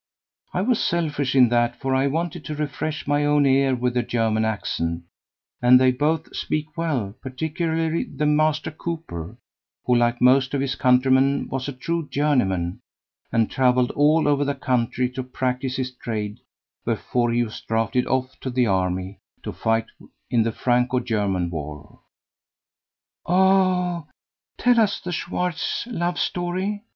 I was selfish in that, for I wanted to refresh my own ear with the German accent, and they both speak well, particularly the master cooper, who like most of his countrymen was a true journeyman, and travelled all over the country to practise his trade before he was drafted off to the army to fight in the Franco German War." "Oh tell us the Schwartz love story!"